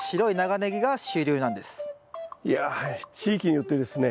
いやあ地域によってですね